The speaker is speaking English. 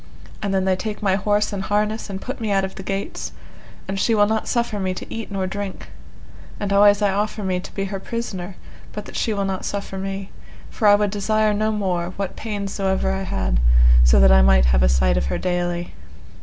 And then they take my horse and harness and put me out of the gates, and she will not suffer me to eat nor drink; and always I offer me to be her prisoner, but that she will not suffer me, for I would desire no more, what pains so ever I had, so that I might have a sight of her daily.